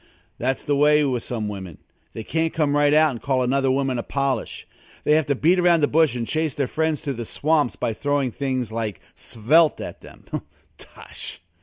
That's the way with some women. They can't come right out and call another woman a polish. They have to beat around the bush and chase their friends to the swamps by throwing things like "svelte" at them. Tush!